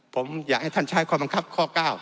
ผมอยากให้ท่านใช้ข้อบังคับข้อ๙